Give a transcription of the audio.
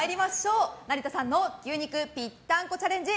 成田さんの牛肉ぴったんこチャレンジ